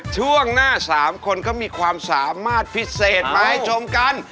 ช่วงหน้า๓คนเขามีความสามารถพิเศษมาให้ชมกัน